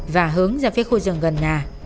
và hướng ra phía khu rừng gần nhà